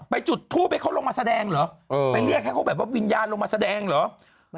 จุดทูปให้เขาลงมาแสดงเหรอไปเรียกให้เขาแบบว่าวิญญาณลงมาแสดงเหรอ